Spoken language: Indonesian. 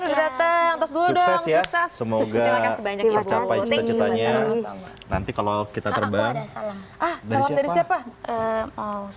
udah datang terus ya semoga tercapai cita citanya nanti kalau kita terbang dari siapa mau salam